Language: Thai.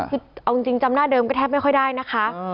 คือเอาจริงจำหน้าเดิมก็แทบไม่ค่อยได้นะคะ